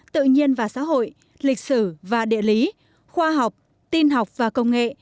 tự nhiên và xã hội lịch sử và địa lý khoa học tin học và công nghệ